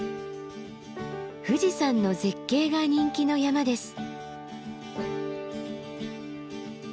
富士山の絶景が人気の山です。